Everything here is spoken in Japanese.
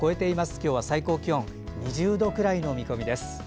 今日は最高気温２０度くらいのみこみです。